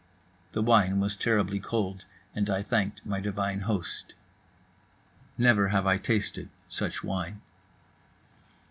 The wine was terribly cold, and I thanked my divine host. Never have I tasted such wine.